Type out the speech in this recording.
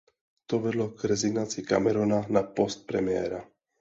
To vedlo k rezignaci Camerona na post premiéra.